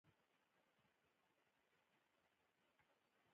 مورغاب سیند د افغانستان د زرغونتیا نښه ده.